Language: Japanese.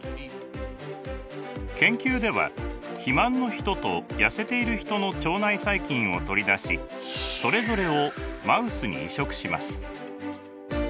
研究では肥満のヒトと痩せているヒトの腸内細菌を取り出しそれぞれをマウスに移植します。